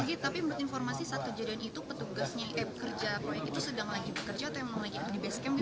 pak sagi tapi menurut informasi saat kejadian itu petugasnya eh pekerja proyek itu sedang lagi bekerja atau yang lagi di base camp